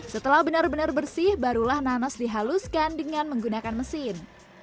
setelah benar benar bersih barulah nanas dihaluskan dengan menggunakan mesin